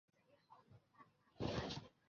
本列表为新界区专线小巴路线的一览表。